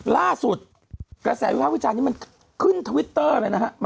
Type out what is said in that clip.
ล่าสุดกระแสวิภาพวิจารณ์นี้มันขึ้นทวิตเตอร์เลยนะฮะ